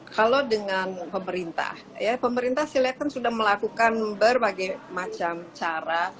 kalau dengan pemerintah ya pemerintah pemerintah saya lihat kan sudah melakukan berbagai macam cara